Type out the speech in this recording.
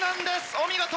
お見事！